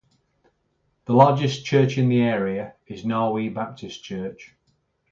The largest church in the area is Narwee Baptist Church.